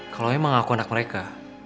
kalau memang aku anak mereka